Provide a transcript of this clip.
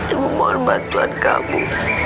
ibu mohon bantuan kamu